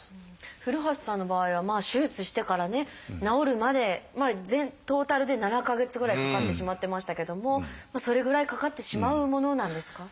古橋さんの場合は手術してからね治るまでトータルで７か月ぐらいかかってしまってましたけどもそれぐらいかかってしまうものなんですか？